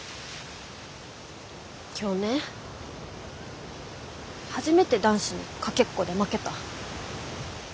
今日ね初めて男子にかけっこで負けた。